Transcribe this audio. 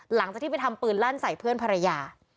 หลังจากที่ไปทำปืนลั่นใส่เพื่อนภรรยา